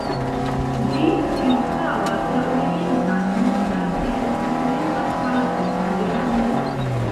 Ĝi ĉirkaŭas la orientan, nordan, kaj okcidentan partojn de la urbo.